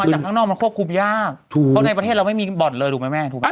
หมายถึงทางนอกมันควบคุมยากเพราะในประเทศเราไม่มีบอร์ดเลยถูกไหมแม่ถูกไหม